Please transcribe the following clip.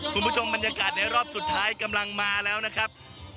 คุณผู้ชมบรรยากาศในรอบสุดท้ายกำลังมาแล้วนะครับ